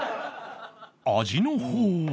味の方は